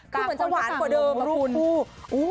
ก็เหมือนจะว่าสั่งลงลูกคู่